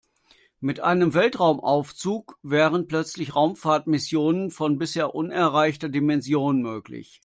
Mit einem Weltraumaufzug wären plötzlich Raumfahrtmissionen von bisher unerreichter Dimension möglich.